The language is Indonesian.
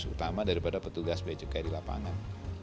terutama daripada petugas bea cukai di lapangan